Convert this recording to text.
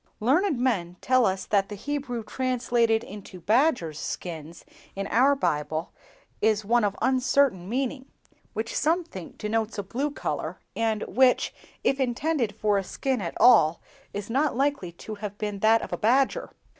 Learned men tell us that the Hebrew word translated into 'badgers' skins' in our Bible is one of uncertain meaning, which some think denotes a blue color, and which, if intended for a skin at all, is not likely to have been that of a badger.